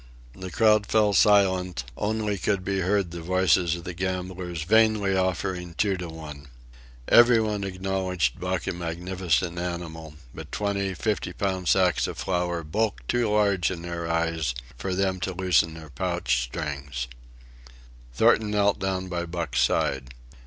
The crowd fell silent; only could be heard the voices of the gamblers vainly offering two to one. Everybody acknowledged Buck a magnificent animal, but twenty fifty pound sacks of flour bulked too large in their eyes for them to loosen their pouch strings. Thornton knelt down by Buck's side.